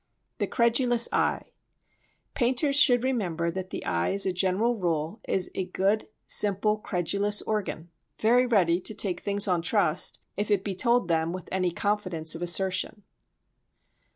The Credulous Eye Painters should remember that the eye, as a general rule, is a good, simple, credulous organ—very ready to take things on trust if it be told them with any confidence of assertion.